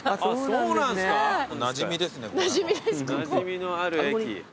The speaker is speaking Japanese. なじみのある駅。